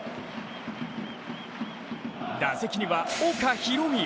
打席には岡大海。